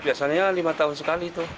biasanya lima tahun sekali